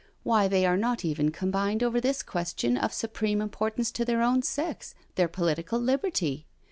Why, they are not even com bined over this question of supreme importance to their own sex — their political liberty.